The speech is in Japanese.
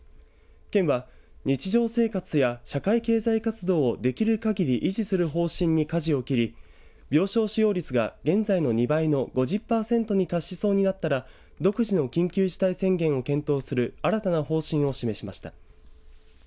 県は日常生活や社会経済活動をできるかぎり維持する方針にかじを切り病床使用率が現在の２倍の５０パーセントに達しそうになったら、独自の緊急事態宣言を検討する新たな方針を示しました。